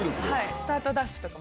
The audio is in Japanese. スタートダッシュとか。